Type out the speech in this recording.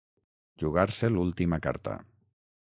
Jugar-se l'última carta.